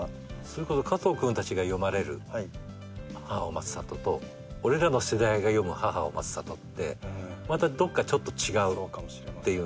それこそ加藤君たちが読まれる『母の待つ里』と俺らの世代が読む『母の待つ里』ってまたどっかちょっと違うっていう思いがあって。